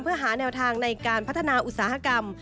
เพื่อหาแนวทางในการพัฒนาอุตสาหกรรม